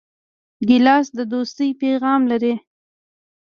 ګیلاس د دوستۍ پیغام لري.